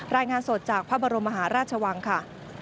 รายงานสดจากพระบรมมหาราชวังค่ะ